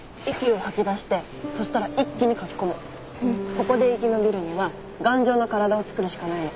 ここで生き延びるには頑丈な体をつくるしかないの。